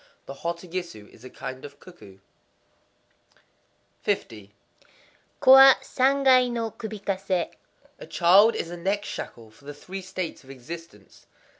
—The hototogisu is a kind of cuckoo. 50.—Ko wa Sangai no kubikase. A child is a neck shackle for the Three States of Existence.